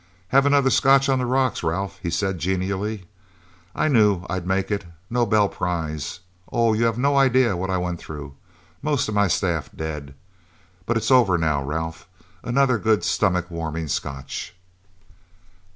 "Have another scotch on the rocks, Ralph," he said genially. "I knew I'd make it... Nobel Prize... Oh, you have no idea what I went through... Most of my staff dead... But it's over, now, Ralph... Another good, stomach warming scotch..."